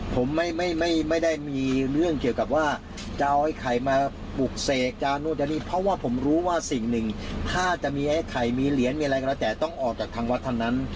ผมไม่ได้มีเรื่องเกี่ยวกับว่าจะเอาไอ้ไข่มาปลูกเสกจะนู่นจะนี่เพราะว่าผมรู้ว่าสิ่งหนึ่งถ้าจะมีไอ้ไข่มีเหรียญมีอะไรก็แล้วแต่ต้องออกจากทางวัดเท่านั้น